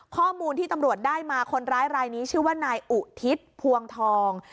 ข้อมูลที่ตำรวจได้มาคนร้ายรายนี้ชื่อว่านายอุทิศพวงทอง